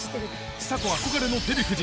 ちさ子憧れのデヴィ夫人